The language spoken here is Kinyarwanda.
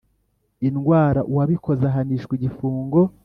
indwara uwabikoze ahanishwa igifungo